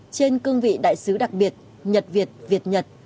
trên cương vị đại sứ đặc biệt nhật việt việt nhật